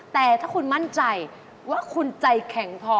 แต่ถ้าคุณมั่นใจว่าคุณใจแข็งพอ